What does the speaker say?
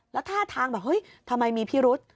แล้วท่าทางแบบเฮ้ยทำไมมีพิรุษ